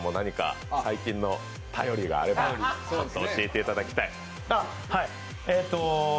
ＫＡＺＭＡさんも何か最近の便りがあれば教えていただきたい。